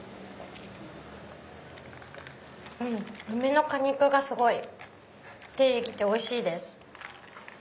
梅の果肉がすごい出てきておいしいです。